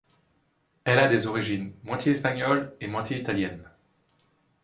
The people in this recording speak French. Elle a des origines moitié espagnole et moitié italienne.